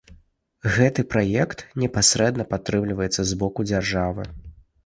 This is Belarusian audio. Гэты праект непасрэдна падтрымліваецца з боку дзяржавы.